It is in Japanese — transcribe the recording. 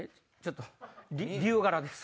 龍柄です。